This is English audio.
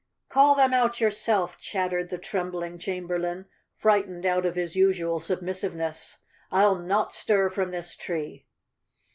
"Call them out yourself," chattered the trembling chamberlain, frightened out of his usual submissive¬ ness. "I'll not stir from this tree."